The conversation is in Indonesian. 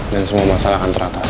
dan semua masalah akan teratas